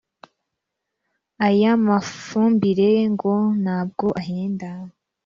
Aya mafumbire ngo ntabwo ahenda